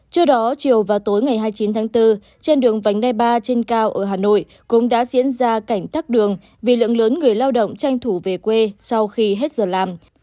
trước đó chiều và tối ngày hai mươi chín tháng bốn trên đường vánh đai ba trên cao ở hà nội cũng đã diễn ra cảnh tắc đường vì lượng lớn người lao động tranh thủ về quê sau khi hết giờ làm